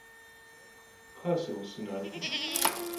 Kxhı'e, si ğuseu nak'ue!